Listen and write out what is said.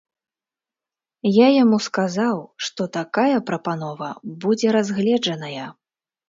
Я яму сказаў, што такая прапанова будзе разгледжаная!